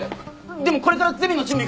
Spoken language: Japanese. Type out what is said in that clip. でもこれからゼミの準備が。